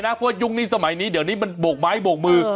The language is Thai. เพราะว่ายุคนี้สมัยนี้เดี๋ยวนี้มันโบกไม้โบกมือ